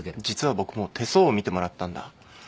実は僕も手相を見てもらったんだ。